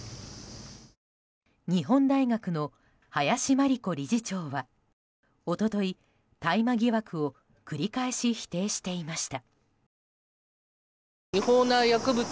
日本大学の林真理子理事長は一昨日大麻疑惑を繰り返し否定していました。